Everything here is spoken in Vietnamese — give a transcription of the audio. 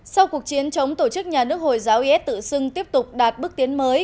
sau cuộc chiến chống tổ chức nhà nước hồi giáo is tự xưng tiếp tục đạt bước tiến mới